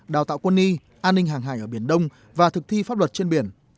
đào tạo quân y an ninh hàng hải ở biển đông và thực thi pháp luật trên biển